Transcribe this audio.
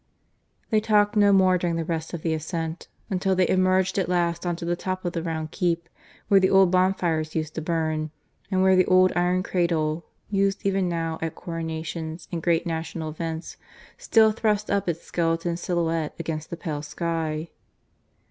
They talked no more during the rest of the ascent, until they emerged at last on to the top of the round keep, where the old bonfires used to burn, and where the old iron cradle, used even now at coronations and great national events, still thrust up its skeleton silhouette against the pale sky.